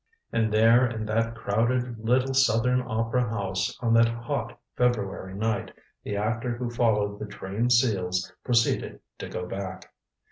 And there in that crowded little southern opera house on that hot February night, the actor who followed the trained seals proceeded to go back.